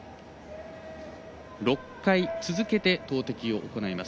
６回続けて投てきを行います。